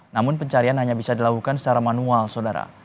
namun pencarian hanya bisa dilakukan secara manual saudara